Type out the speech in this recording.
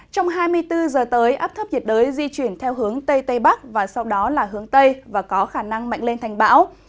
trong hai mươi bốn giờ tới áp thấp nhiệt đới di chuyển theo hướng tây tây bắc và sau đó là hướng tây và có khả năng mạnh lên thành bão